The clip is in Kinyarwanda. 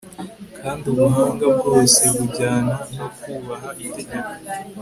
kandi ubuhanga bwose bujyana no kubaha itegeko